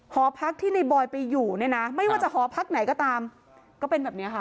หอพักที่ในบอยไปอยู่เนี่ยนะไม่ว่าจะหอพักไหนก็ตามก็เป็นแบบนี้ค่ะ